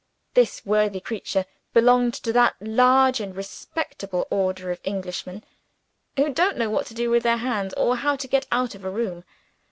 This worthy creature belonged to that large and respectable order of Englishmen, who don't know what to do with their hands, or how to get out of a room.